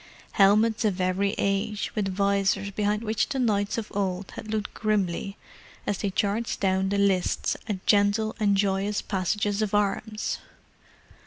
Helmets of every age, with visors behind which the knights of old had looked grimly as they charged down the lists at "gentle and joyous passages of arms."